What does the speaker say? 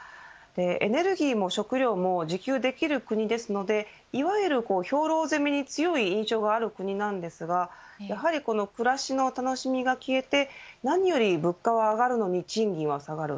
エネルギーも食料も自給できる国ですのでいわゆる兵糧攻めに強い印象がある国ですが暮らしの楽しみが消えて何より物価が上がるのに賃金は下がる。